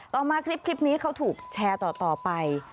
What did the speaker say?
ต่อมาคลิปนี้เขาถูกแชร์ต่อไป